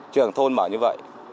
trường thôn bảo như vậy